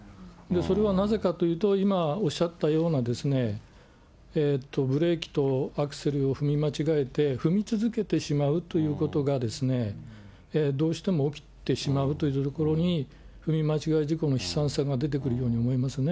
それはなぜかというと、今、おっしゃったようなブレーキとアクセルを踏み間違えて、踏み続けてしまうということがですね、どうしても起きてしまうというところに、踏み間違え事故の悲惨さが出てくるように思いますね。